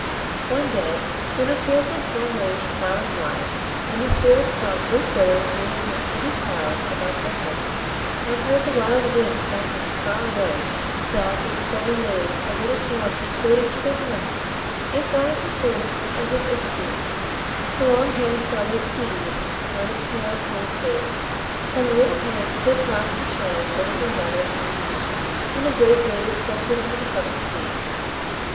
One day, when a fearful storm raged far and wide, and the Spirits saw great billows rolling like heavy clouds above their heads, and heard the wild winds sounding far away, down through the foaming waves a little child came floating to their home; its eyes were closed as if in sleep, the long hair fell like sea weed round its pale, cold face, and the little hands still clasped the shells they had been gathering on the beach, when the great waves swept it into the troubled sea.